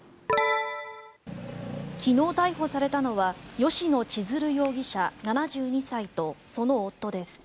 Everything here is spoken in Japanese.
昨日、逮捕されたのは吉野千鶴容疑者、７２歳とその夫です。